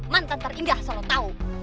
mantan terindah selalu tau